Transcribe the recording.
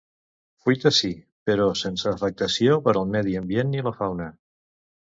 Fuita sí, però sense afectació per al medi ambient ni la fauna.